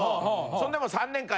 そんでも。